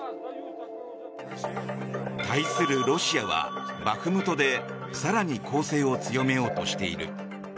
対するロシアはバフムトで更に攻勢を強めようとしている。